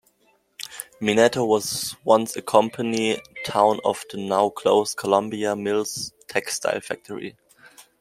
Minetto was once a company town of the now-closed Columbia Mills textile factory.